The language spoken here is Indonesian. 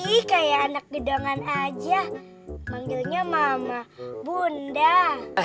ih kayak anak gedongan aja manggilnya mama bunda